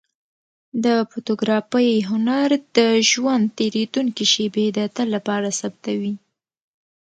د فوتوګرافۍ هنر د ژوند تېرېدونکې شېبې د تل لپاره ثبتوي.